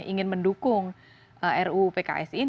kalau ingin mendukung ruu pks